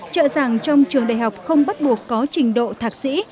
trợ giảng trong trường đại học không bắt buộc có trình độ thạc sĩ